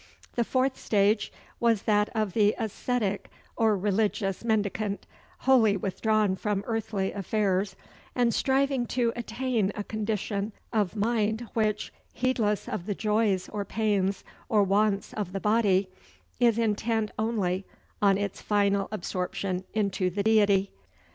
The fourth stage was that of the ascetic or religious mendicant, wholly withdrawn from earthly affairs, and striving to attain a condition of mind which, heedless of the joys, or pains, or wants of the body, is intent only on its final absorption into the deity.